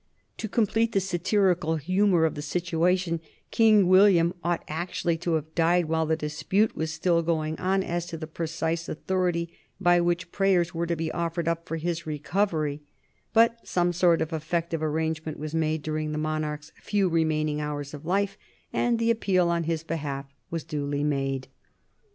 To complete the satirical humor of the situation King William ought actually to have died while the dispute was still going on as to the precise authority by which prayers were to be offered up for his recovery, but some sort of effective arrangement was made during the monarch's few remaining hours of life, and the appeal on his behalf was duly made.